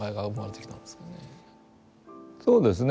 そうですね